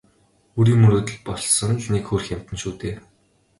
Үрийн мөрөөдөл болсон л нэг хөөрхий амьтан шүү дээ.